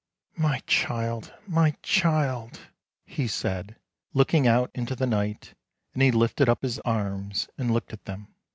"" My child ! Aly child !" he said, looking out into the night, and he lifted up his arms and looked at them.